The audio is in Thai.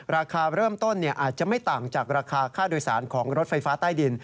ราคาเริ่มต้นอาจจะไม่ต่างจากราคาค่าโดยสารของรถไฟฟ้าใต้ดิน